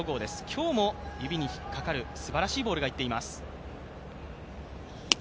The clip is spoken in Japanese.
今日も指にひっかかるすばらしいボールがいっています。